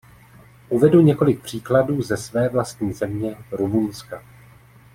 Uvedu několik příkladů ze své vlastní země, Rumunska.